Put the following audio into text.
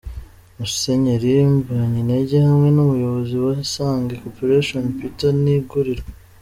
Musenyeri Mbonyintege hamwe n'umuyobozi wa Isange Corporation Peter Ntigurirwa.